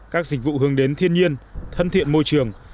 các dịch vụ hướng đến thiên nhiên thân thiện môi trường